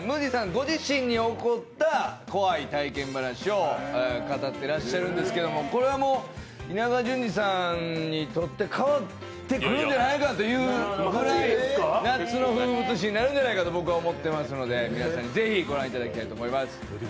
ご自身に起こった怖い体験話を語ってらっしゃるんですが、これはもう、稲川淳二さんに取って代わってくるんじゃないかというくらい、夏の風物詩になるんじゃないかと僕は思っていますので皆さん、ぜひご覧いただきたいと思います。